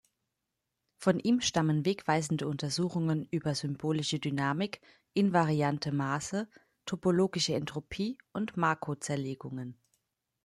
Von ihm stammen wegweisende Untersuchungen über symbolische Dynamik, invariante Maße, topologische Entropie und Markow-Zerlegungen.